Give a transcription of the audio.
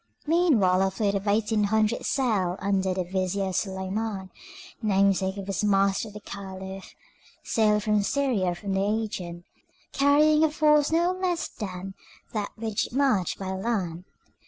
Meanwhile a fleet of eighteen hundred sail under the vizier Suleiman, namesake of his master the Caliph, sailed from Syria for the Aegean, carrying a force no less than that which marched by land.